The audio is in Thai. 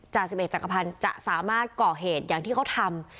จารท์๑๑จังหวัญภัณฑ์จะสามารถก่อเหตุอย่างที่เขาทำ